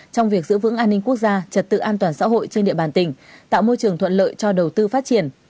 trong việc giữ vững an ninh quốc gia trật tự an toàn xã hội trên địa bàn tỉnh tạo môi trường thuận lợi cho đầu tư phát triển